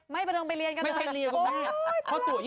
ไม่เป็นเองไปเรียนเลย